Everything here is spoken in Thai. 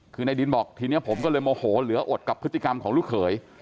คือในดินบอกทีนี้ผมก็เลยโมโหเหลืออดกับพฤติกรรมของลูกเขย